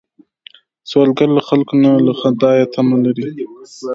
سوالګر له خلکو نه، له خدایه تمه لري